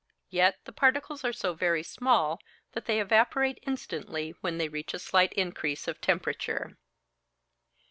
Yet the particles are so very small that they evaporate instantly when they reach a slight increase of temperature.